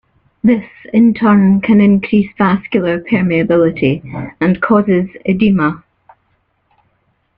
This in turn can increase vascular permeability and causes edema.